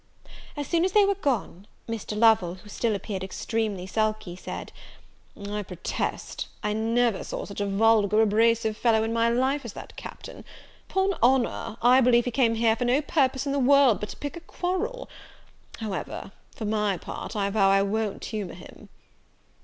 As soon as they were gone, Mr. Lovel, who still appeared extremely sulky, said, "I protest, I never saw such a vulgar, abusive fellow in my life, as that Captain: 'pon honour, I believe he came here for no purpose in the world but to pick a quarrel; however, for my part, I vow I wo'n't humour him."